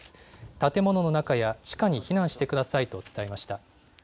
建物の中や地下に避難してくださいと伝えました。